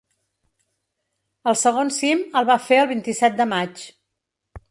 El segon cim el va fer el vint-i-set de maig.